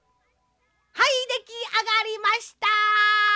はいできあがりました！